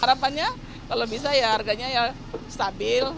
harapannya kalau bisa ya harganya ya stabil